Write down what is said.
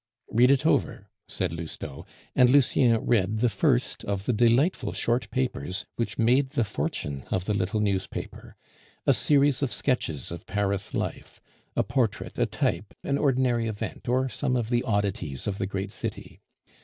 "Read it over," said Lousteau, and Lucien read the first of the delightful short papers which made the fortune of the little newspaper; a series of sketches of Paris life, a portrait, a type, an ordinary event, or some of the oddities of the great city.